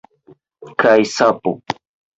Kaj sapo!